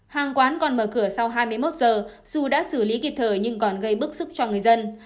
hàng quán còn mở cửa sau hai mươi một giờ dù đã xử lý kịp thời nhưng còn gây bức xúc cho người dân